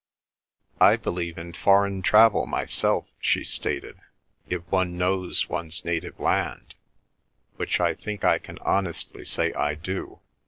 "I believe in foreign travel myself," she stated, "if one knows one's native land, which I think I can honestly say I do.